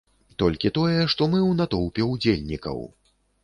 Толькі тое, што мы у натоўпе ўдзельнікаў.